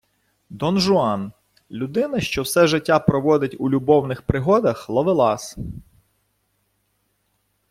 Дон-Жуан - людина, що все життя проводить у любовних пригодах, ловелас